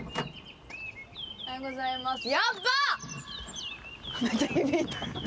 おはようございます。